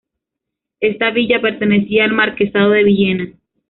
Esta villa pertenecía al Marquesado de Villena.